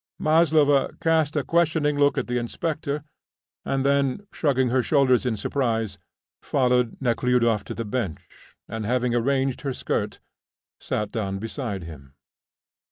Maslova cast a questioning look at the inspector, and then, shrugging her shoulders in surprise, followed Nekhludoff to the bench, and having arranged her skirt, sat down beside him.